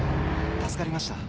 助かりました。